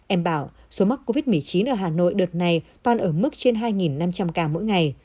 em bảo số mắc covid một mươi chín ở hà nội đợt này toàn ở mức trên hai năm trăm linh ca mỗi ngày